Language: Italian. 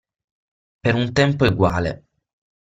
Per un tempo eguale.